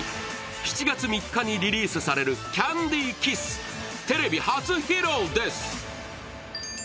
７月３日にリリースされる「ＣａｎｄｙＫｉｓｓ」、テレビ初披露です！